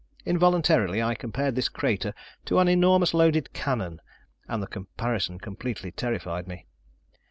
Involuntarily, I compared this crater to an enormous loaded cannon; and the comparison completely terrified me.